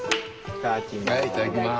いただきます。